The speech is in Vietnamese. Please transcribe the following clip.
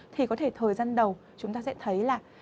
thì có thể thời gian đầu chúng ta sẽ thấy là